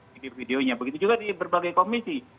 bisa dicek di videonya begitu juga di berbagai komisi